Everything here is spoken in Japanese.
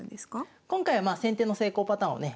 今回はまあ先手の成功パターンをね